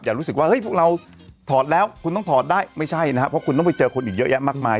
รู้สึกว่าเฮ้ยพวกเราถอดแล้วคุณต้องถอดได้ไม่ใช่นะครับเพราะคุณต้องไปเจอคนอีกเยอะแยะมากมาย